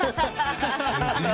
すげえ。